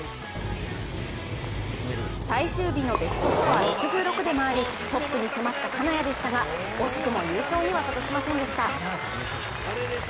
最終日のベストスコア６６で回りトップに迫った金谷でしたが惜しくも優勝には届きませんでした。